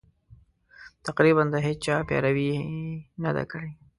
تقریباً د هېچا پیروي یې نه ده کړې.